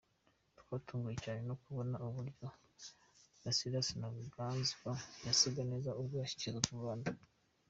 Twatunguwe cyane no kubona uburyo Ladislas Ntaganzwa yasaga neza ubwo yashyikirizwaga u Rwanda.